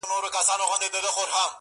چي هغه زه له خياله وباسمه؛